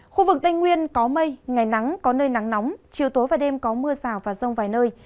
khu vực tây nguyên có mây ngày nắng có nơi nắng nóng chiều tối và đêm có mưa rào và rông vài nơi